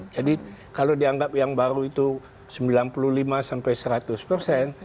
jadi kalau dianggap yang baru itu sembilan puluh lima sampai seratus persen